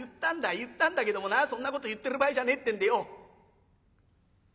言ったんだけどもなそんなこと言ってる場合じゃねえってんでよ